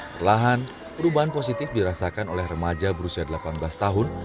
perlahan perubahan positif dirasakan oleh remaja berusia delapan belas tahun